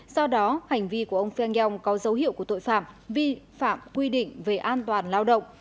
do đó hành vi của ông phiang yong có dấu hiệu của tội phạm vi phạm quy định về an toàn lao động